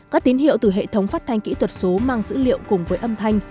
các tín hiệu từ hệ thống phát thanh kỹ thuật số mang dữ liệu cùng với âm thanh